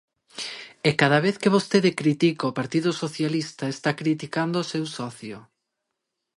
E cada vez que vostede critica o Partido Socialista está criticando o seu socio.